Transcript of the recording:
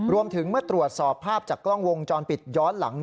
รวมถึงเมื่อตรวจสอบภาพจากกล้องวงจรปิดย้อนหลัง